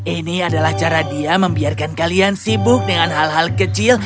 ini adalah cara dia membiarkan kalian sibuk dengan hal hal kecil